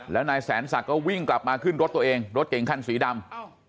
แล้วนายแสนศักดิ์ก็วิ่งกลับมาขึ้นรถตัวเองรถเก่งคันสีดำ